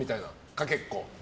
かけっこ。